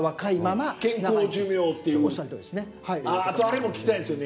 あっあとあれも聞きたいんですよね。